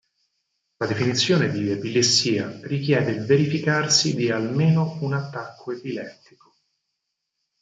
La definizione di epilessia richiede il verificarsi di almeno un attacco epilettico".